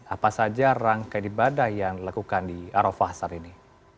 apa saja rangkai ibadah yang dilakukan di arafah saat ini